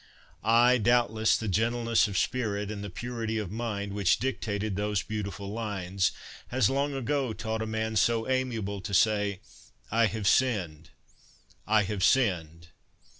Ay, doubtless, the gentleness of spirit, and the purity of mind, which dictated those beautiful lines, has long ago taught a man so amiable to say, I have sinned, I have sinned.